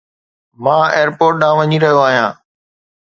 مان ايئرپورٽ ڏانهن وڃي رهيو آهيان